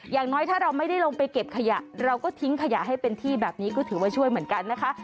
อย่างน้อยถ้าเราไม่ได้ลงไปเก็บขยะเราก็ทิ้งขยะให้เป็นที่แบบนี้ก็ถือว่าช่วยเหมือนกันนะคะ